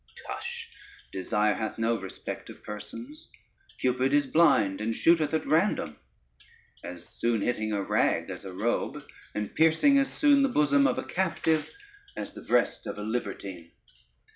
Tush, desire hath no respect of persons: Cupid is blind and shooteth at random, as soon hitting a rag as a robe, and piercing as soon the bosom of a captive as the breast of a libertine.